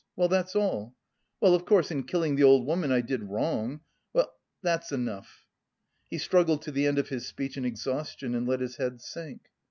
Well... that's all.... Well, of course in killing the old woman I did wrong.... Well, that's enough." He struggled to the end of his speech in exhaustion and let his head sink.